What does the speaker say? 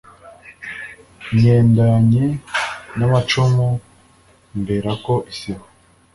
nyendanye n’amacumu mberako isibo